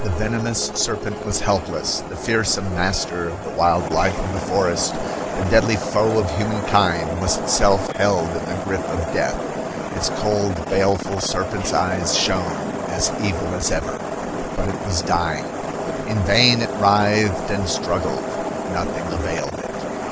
The venomous serpent was helpless; the fearsome master of the wild life of the forest, the deadly foe of humankind, was itself held in the grip of death. Its cold, baleful serpent's eyes shone, as evil as ever. But it was dying. In vain it writhed and struggled. Nothing availed it.